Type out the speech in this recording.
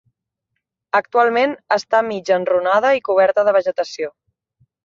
Actualment està mig enrunada i coberta de vegetació.